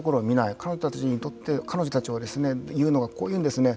彼女たちにとって彼女たちがいうのはこう言うんですね。